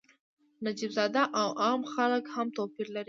نجیب زاده او عام خلک هم توپیر لري.